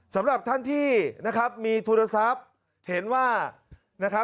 สำหรับท่านที่มีโทรศัพท์เห็นว่า